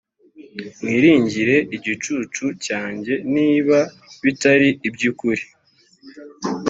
mwiringire igicucu cyanjye niba bitari iby ukuri